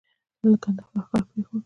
د کندهار ښار پرېښود.